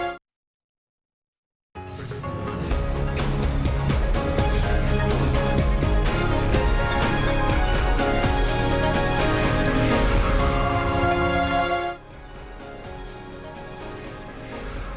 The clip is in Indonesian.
anda tetap yang sih dansa di live channel ini ya